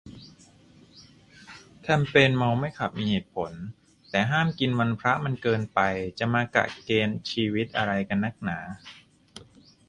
แคมเปญ เมาไม่ขับ มีเหตุผล แต่ห้ามกินวันพระมันเกินไป จะมากะเกณฑ์ชีวิตอะไรกันนักหนา